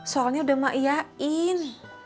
soalnya udah mak iya in